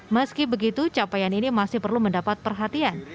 meski begitu capaian ini masih perlu mendapat perhatian